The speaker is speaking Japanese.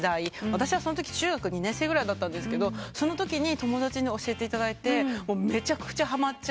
私はそのとき中学２年生ぐらいだったんですがそのときに友達に教えていただいてめちゃくちゃはまっちゃって。